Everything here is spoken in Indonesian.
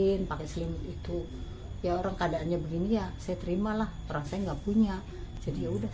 saya pakai selimut itu ya orang keadaannya begini ya saya terimalah orang saya enggak punya jadi yaudah